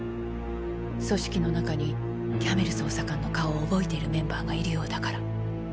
組織の中にキャメル捜査官の顔を覚えているメンバーがいるようだから。